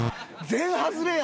全外れや。